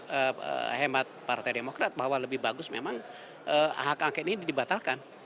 karena ini adalah hemat partai demokrat bahwa lebih bagus memang hak angket ini dibatalkan